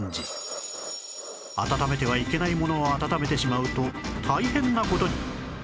温めてはいけないものを温めてしまうと大変な事に